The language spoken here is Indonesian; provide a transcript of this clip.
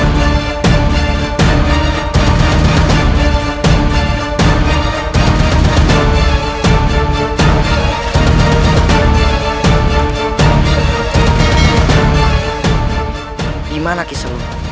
bagaimana dengan kamu